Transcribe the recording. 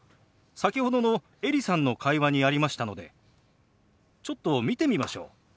先ほどのエリさんの会話にありましたのでちょっと見てみましょう。